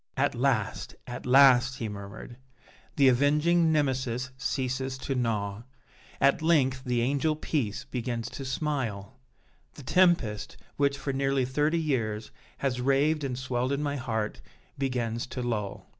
"At last, at last," he murmured, "the avenging Nemesis ceases to gnaw! At length the angel Peace begins to smile! The tempest, which, for nearly thirty years, has raved and swelled in my heart, begins to lull!